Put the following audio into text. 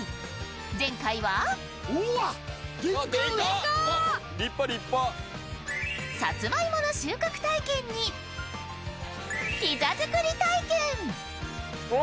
前回は、さつまいもの収穫体験にピザ作り体験。